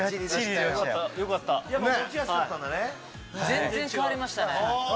全然変わりましたね。